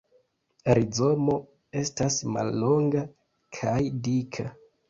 Rizomo estas mallonga kaj dika.